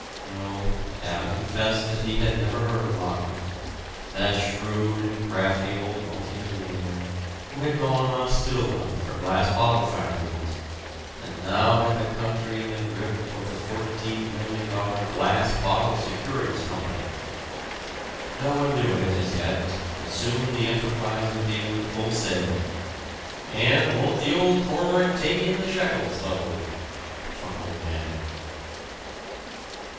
No, Adam confessed that he had never heard of Lockman, that shrewd and crafty old multi millionaire who had gone on a still hunt for glass bottle factories, and now had the country in the grip of the fourteen million dollar "Glass Bottle Securities Company." No one knew it, as yet; but soon the enterprise would be under full sail "And won't the old cormorant take in the shekels, though!" chuckled Manning.